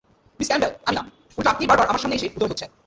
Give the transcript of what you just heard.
Miss Campbell, আমি না, উল্টো আপনিই বারবার আমার সামনে এসে উদয় হচ্ছেন।